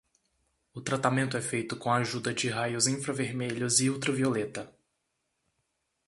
O tratamento é feito com ajuda de raios infravermelhos e ultravioleta.